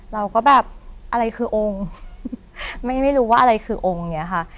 เราก็แบบอะไรคือองค์ไม่รู้ว่าอะไรคือองค์เนี่ยค่ะ